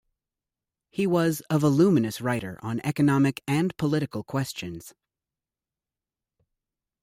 He was a voluminous writer on economic and political questions.